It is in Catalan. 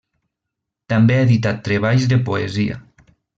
També ha editat treballs de poesia.